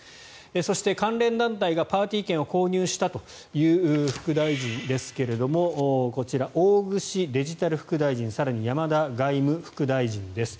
そして関連団体がパーティー券を購入したという副大臣ですがこちら、大串デジタル副大臣更に山田外務副大臣です。